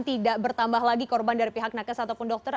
tidak bertambah lagi korban dari pihak nakes ataupun dokter